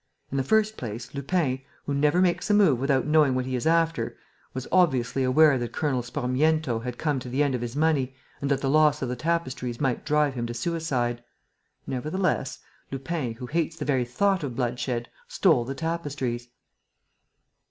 In the first place, Lupin, who never makes a move without knowing what he is after, was obviously aware that Colonel Sparmiento had come to the end of his money and that the loss of the tapestries might drive him to suicide. Nevertheless, Lupin, who hates the very thought of bloodshed, stole the tapestries."